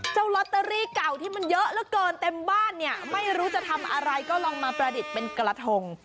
ลอตเตอรี่เก่าที่มันเยอะเหลือเกินเต็มบ้านเนี่ยไม่รู้จะทำอะไรก็ลองมาประดิษฐ์เป็นกระทง